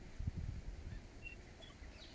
嘌呤代谢作用的调节具有药物治疗的价值。